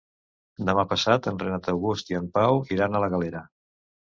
Demà passat en Renat August i en Pau iran a la Galera.